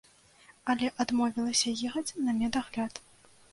Але адмовілася ехаць на медагляд.